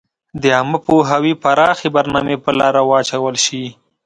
د عامه پوهاوي پراخي برنامي په لاره واچول شي.